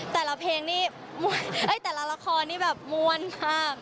แต่ละเพลงนี้แต่ละละครนี่แบบม่วนมาก